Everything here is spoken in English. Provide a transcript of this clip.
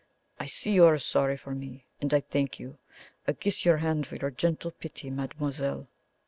I see you are sorry for me and I thank you. I kiss your hand for your gentle pity, mademoiselle."